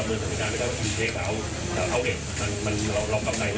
พี่เสื้อขาขอให้จ่ายหลังให้น้องนะครับ